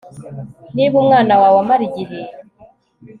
niba umwana wawe amara igihe